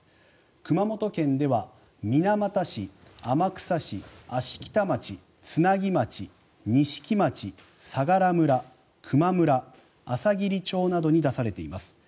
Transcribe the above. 熊本県では水俣市、天草市芦北町、津奈木町錦町、相良村、球磨村あさぎり町などに出されています。